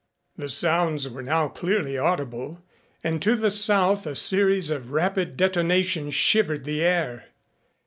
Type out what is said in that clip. The sounds were now clearly audible and to the south a series of rapid detonations shivered the air.